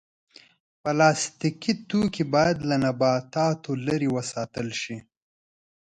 پلاستيکي توکي باید له نباتاتو لرې وساتل شي.